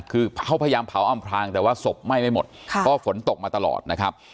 คือเขาพยายามเผาอำพลางแต่ว่าศพไหม้ไม่หมดเพราะฝนตกมาตลอดนะครับ